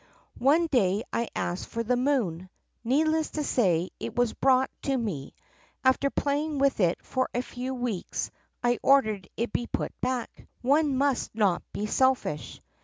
One day I asked for the moon. Needless to say, it was brought to me. After playing with it for a few weeks I ordered it put back. One must not be selfish.